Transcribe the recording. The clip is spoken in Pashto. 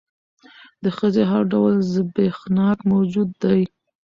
د ښځې هر ډول زبېښاک موجود دى.